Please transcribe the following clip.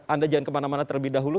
anda jangan kemana mana terlebih dahulu